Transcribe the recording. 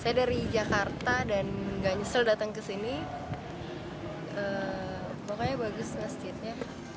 saya dari jakarta dan gak nyesel datang ke sini pokoknya bagus masjidnya